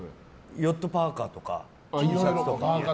ヨットパーカとかＴシャツとか。